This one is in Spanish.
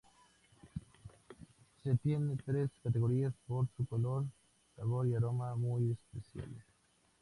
Se tienen tres categorías por su color, sabor y aroma muy especiales.